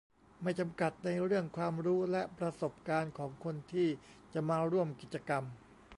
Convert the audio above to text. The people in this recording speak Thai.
ไม่จำกัดในเรื่องความรู้และประสบการณ์ของคนที่จะมาร่วมกิจกรรม